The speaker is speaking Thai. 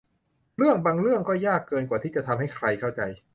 เรื่องบางเรื่องก็ยากเกินกว่าจะทำให้ใครเข้าใจ